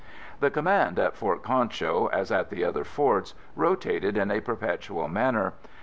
The command at Fort Concho, as at the other forts, rotated in a perpetual manner.